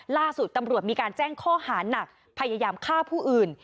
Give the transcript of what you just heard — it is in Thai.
ล่าสุดตำรวจมีการแจ้งข้อหานักพยายามฆ่าผู้อื่น